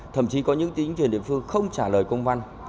thậm chí có những chính quyền địa phương không trả lời công văn